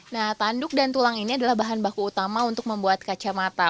nah tanduk dan tulang ini adalah bahan baku utama untuk membuat kacamata